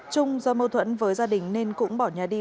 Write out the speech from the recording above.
trung do mâu thuẫn với gia đình nên cũng bỏ nhà đi